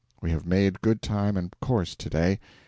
We have made good time and course to day.